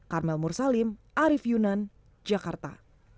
karmel mursalim arief yunan jakarta